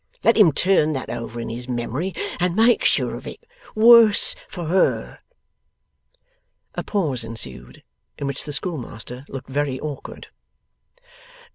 Let him turn that over in his memory, and make sure of it. Worse for her!' A pause ensued, in which the schoolmaster looked very awkward.